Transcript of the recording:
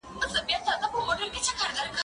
زه اوږده وخت د کتابتوننۍ سره مرسته کوم،